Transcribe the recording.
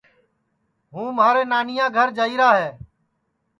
ہوں مھارے نانیا گھر جائیرا ہے